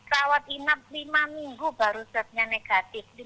rawat inap lima minggu baru setnya negatif